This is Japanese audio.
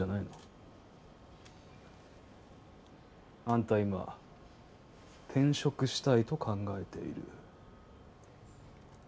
あんた今転職したいと考えている。